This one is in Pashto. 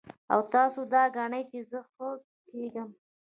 او تاسو دا ګڼئ چې زۀ ښۀ کېږم